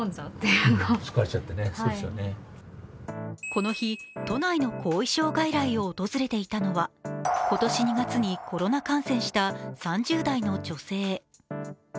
この日、都内の後遺症外来を訪れていたのは今年２月にコロナ感染した３０代の女性。